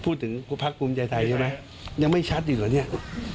พูดถึงพักภูมิใจไทยใช่ไหมยังไม่ชัดอีกเหรอเนี่ย